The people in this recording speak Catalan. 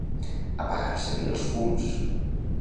Apagar-se-li els fums.